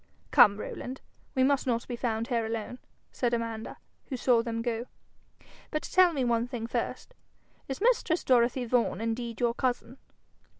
'Come, Rowland, we must not be found here alone,' said Amanda, who saw them go. 'But tell me one thing first: is mistress Dorothy Vaughan indeed your cousin?'